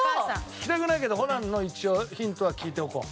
聞きたくないけどホランの一応ヒントは聞いておこう。